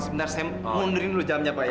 sebentar saya mundurin dulu jamnya pak ya